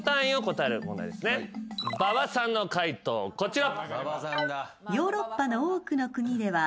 馬場さんの解答こちら。